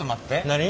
何？